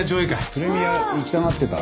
プレミア行きたがってた？